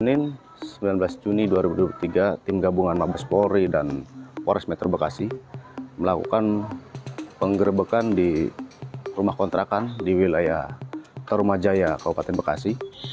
senin sembilan belas juni dua ribu dua puluh tiga tim gabungan mabes polri dan pores metro bekasi melakukan penggerbekan di rumah kontrakan di wilayah tarumajaya kabupaten bekasi